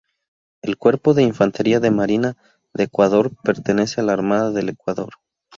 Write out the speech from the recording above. El Cuerpo de Infantería de Marina de Ecuador pertenece a la Armada del Ecuador.